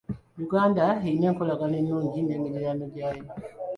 Uganda eyina enkolagana ennungi n'emiriraano gyayo.